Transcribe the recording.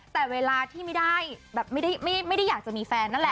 แต่เวลาที่ไม่ได้แบบไม่ได้อยากจะมีแฟนนั่นแหละ